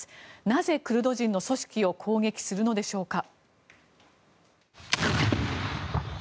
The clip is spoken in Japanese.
なぜ、クルド人の組織を攻撃するのでしょうか。